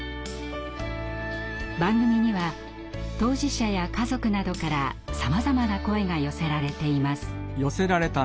番組には当事者や家族などからさまざまな声が寄せられています。